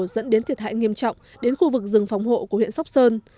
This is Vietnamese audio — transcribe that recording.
dẫn đến thiệt hại nghiêm trọng đến khu vực rừng phòng hộ của huyện sóc sơn